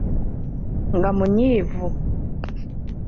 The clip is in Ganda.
Nga munyiivu.